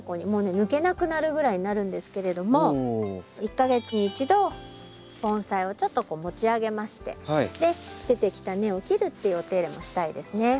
もうね抜けなくなるぐらいになるんですけれども１か月に１度盆栽をちょっとこう持ち上げまして出てきた根を切るっていうお手入れもしたいですね。